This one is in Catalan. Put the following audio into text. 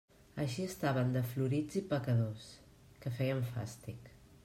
Així estaven de florits i pecadors, que feien fàstic.